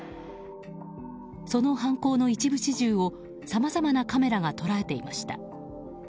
その犯行の一部始終をさまざまなカメラが捉えていました。